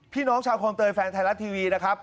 พี่น้องชาวคลองเตยแฟนไทยรัฐทีวีนะครับ